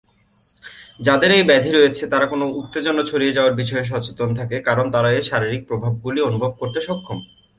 যাদের এই ব্যাধি রয়েছে তারা কোনও উত্তেজনা ছড়িয়ে যাওয়ার বিষয়ে সচেতন থাকে, কারণ তারা এর শারীরিক প্রভাবগুলি অনুভব করতে সক্ষম।